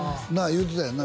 言うてたよな